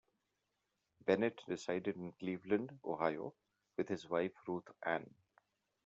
Bennett resided in Cleveland, Ohio, with his wife Ruth Ann.